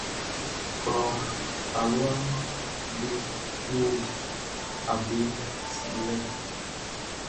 Klɔ taluaʼm be klo able silɛ.